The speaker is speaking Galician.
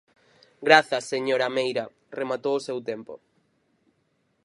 Grazas, señora Meira, rematou o seu tempo.